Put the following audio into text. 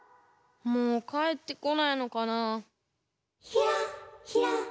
もうかえってこないのかなあ。